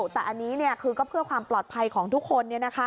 แต่อันนี้คือก็เพื่อความปลอดภัยของทุกคน